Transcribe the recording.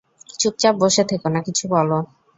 চুপচাপ বসে থেকো না, কিছু বলো।